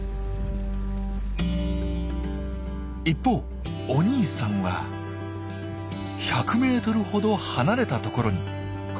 一方お兄さんは１００ｍほど離れたところに。